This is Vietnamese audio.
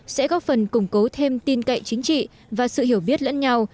sẽ góp phần củng cố thêm tin cậy chính trị và sự hiểu biết lẫn nhau